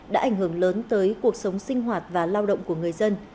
đã ảnh hưởng lớn tới cuộc sống sinh hoạt và lao động của người dân